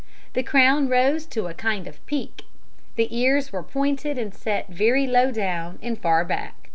The crown rose to a kind of peak, the ears were pointed and set very low down and far back.